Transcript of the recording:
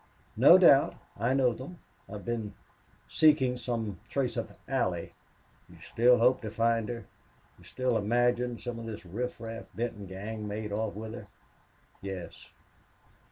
"No doubt. I know them. I've been seeking some trace of Allie." "You still hope to find her? You still imagine some of this riffraff Benton gang made off with her?" "Yes."